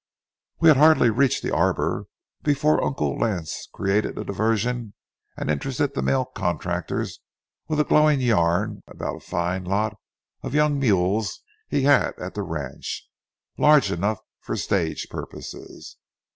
We had hardly reached the arbor before Uncle Lance created a diversion and interested the mail contractors with a glowing yarn about a fine lot of young mules he had at the ranch, large enough for stage purposes.